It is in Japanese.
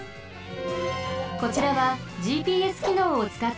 こちらはＧＰＳきのうをつかったゲームです。